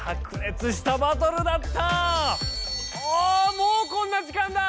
もうこんな時間だ。